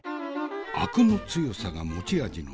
アクの強さが持ち味のナス。